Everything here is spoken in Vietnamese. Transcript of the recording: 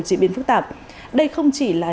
diễn biến phức tạp đây không chỉ là